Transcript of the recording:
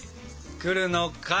来るのかい。